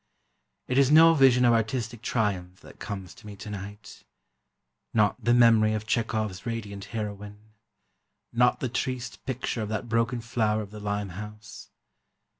It is no vision of artistic triumph that comes to me tonight ... not the memory of Chekhov's radiant heroine ... not the triste picture of that broken flower of the Limehouse